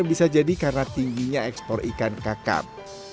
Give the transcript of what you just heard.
bisa jadi karena tingginya ekspor ikan kakap